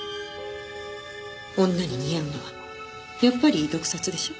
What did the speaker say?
女に似合うのはやっぱり毒殺でしょ？